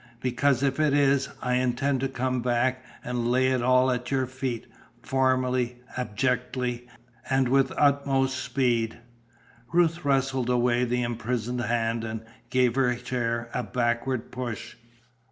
"Because if it is, I intend to come back and lay it all at your feet, formally, abjectly, and with utmost speed." Ruth wrestled away the imprisoned hand and gave her chair a backward push.